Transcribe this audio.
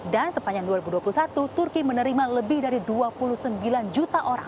dan sepanjang dua ribu dua puluh satu turki menerima lebih dari dua puluh sembilan juta